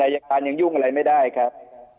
อายการยังยุ่งอะไรไม่ได้ครับ